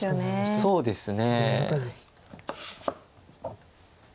そうなんですね。